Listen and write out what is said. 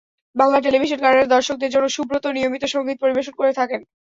Bangla television কানাডার দর্শকদের জন্য সুব্রত নিয়মিত সংগীত পরিবেশন করে থাকেন।